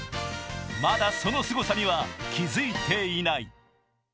まだそのすごさには気づいていない。